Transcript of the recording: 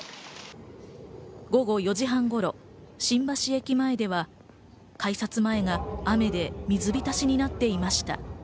午後４時半ごろ、新橋駅前では改札前が雨で水浸しになっていました。